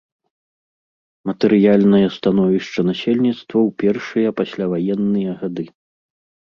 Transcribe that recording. Матэрыяльнае становішча насельніцтва ў першыя пасляваенныя гады.